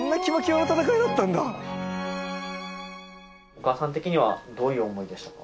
お母さん的にはどういう思いでしたか？